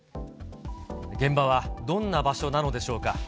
現場はどんな場所なのでしょうか。